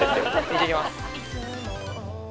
いってきます。